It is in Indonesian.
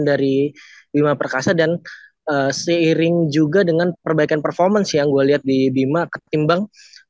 dari bima perkasa dan seiring juga dengan perbaikan performance yang gue lihat di bima ketimbang